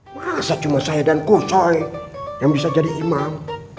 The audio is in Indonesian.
masa cuma saya dan kusoi yang bisa jadi imam